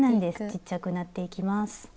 ちっちゃくなっていきます。